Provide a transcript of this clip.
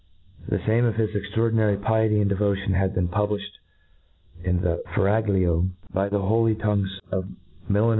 The fame of his extradrdinary piety and devotion had been publiflied in the fcraglio by die holy toftgue^ of milliner?